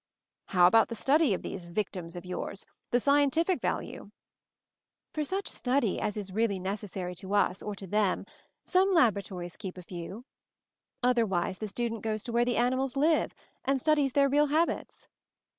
"How about the study of these 'victims' of yours — the scientific value?" "For such study as is really necessary to us, or to them, some laboratories keep a few. Otherwise, the student goes to where the animals live and studies their real habits."